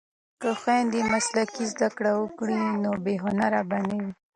که خویندې مسلکي زده کړې وکړي نو بې هنره به نه وي.